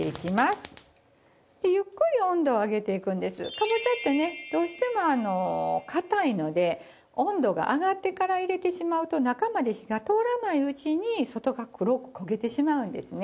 かぼちゃってねどうしても硬いので温度が上がってから入れてしまうと中まで火が通らないうちに外が黒く焦げてしまうんですね。